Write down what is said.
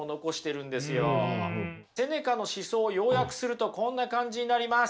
セネカの思想を要約するとこんな感じになります。